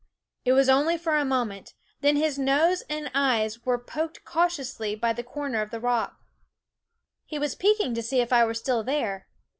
It was only for a moment; then his nose and eyes were poked cau tiously by the corner of rock. He was peek ing to see if I were still there.